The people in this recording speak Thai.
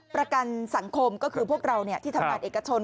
ประกันสังคมก็คือพวกเราที่ทำงานเอกชน